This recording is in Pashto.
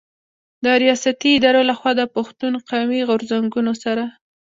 د رياستي ادارو له خوا د پښتون قامي غرځنګونو سره